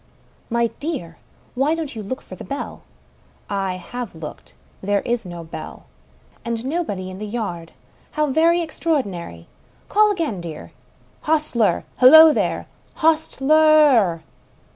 '*" My dear ! why don't you look for the bell ?"" I have looked — there is no bell." "And nobody in the yard. How very extraordinary I Call again, dear." "Hostler! Hullo, there! Hostler r r